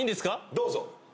どうぞ。